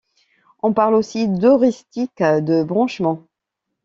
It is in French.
On parle aussi d'heuristique de branchement.